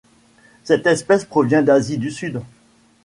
Cette espèce provient d'Asie du Sud.